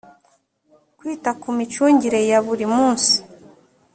kwita ku mi cungire ya buri munsi